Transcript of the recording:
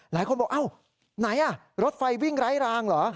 หลายคนบอกอ้าวไหนรถไฟวิ่งไร้รางเหรอ